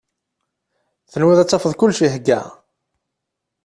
Tenwiḍ ad d-tafeḍ kullec ihegga?